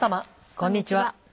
こんにちは。